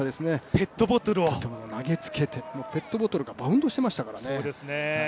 ペットボトルを投げつけてペットボトルがバウンドしていましたからね。